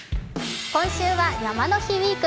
今週は「山の日ウィーク！